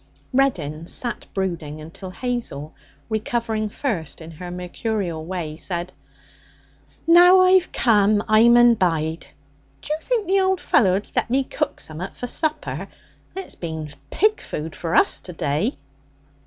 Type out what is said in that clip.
Reddin sat brooding until Hazel, recovering first in her mercurial way, said: 'Now I've come, I mun bide. D'you think the old fellow'd let me cook summat for supper? It's been pig food for us to day.'